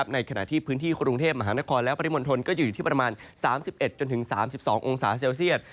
ในขณะที่พื้นที่กรุงเทพมหานครและปริมณฑลก็จะอยู่ที่ประมาณ๓๑๓๒องศาเซลเซียต